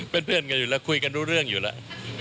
เพื่อนกันอยู่แล้วคุยกันรู้เรื่องอยู่แล้ว